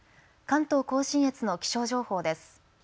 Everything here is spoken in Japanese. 関東甲信越の気象情報です。